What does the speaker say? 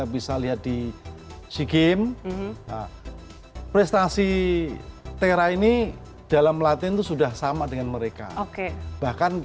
bisa lihat di sea games prestasi tera ini dalam latihan itu sudah sama dengan mereka bahkan